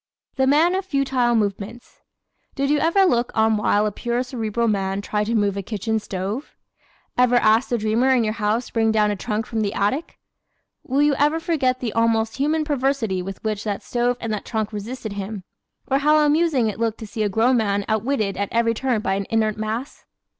The Man of Futile Movements ¶ Did you ever look on while a pure Cerebral man tried to move a kitchen stove? Ever ask the dreamer in your house to bring down a trunk from the attic? Will you ever forget the almost human perversity with which that stove and that trunk resisted him; or how amusing it looked to see a grown man outwitted at every turn by an inert mass?